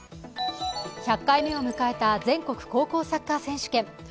１００回目を迎えた全国高校サッカー選手権。